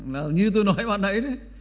là như tôi nói bọn ấy đấy